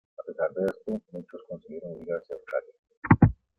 A pesar de esto, muchos consiguieron huir hacia Australia.